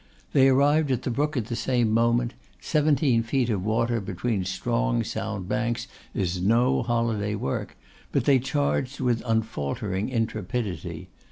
They arrived at the brook at the same moment: seventeen feet of water between strong sound banks is no holiday work; but they charged with unfaltering intrepidity.